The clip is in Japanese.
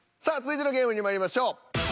さあ続いてのゲームにまいりましょう。